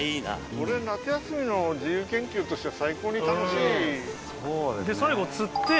これ夏休みの自由研究として最高に楽しい。